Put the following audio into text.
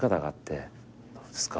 どうですか？